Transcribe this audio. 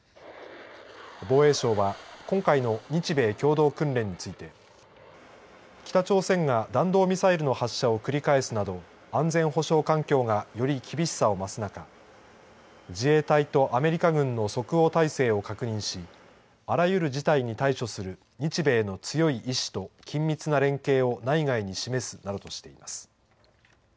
防衛省は今回の日米共同訓練について北朝鮮が弾道ミサイルの発射を繰り返すなど安全保障環境がより厳しさを増す中自衛隊とアメリカ軍の即応態勢を確認しあらゆる事態に対処する日米の強い意志と緊密な連携を内外に示すなどとしています。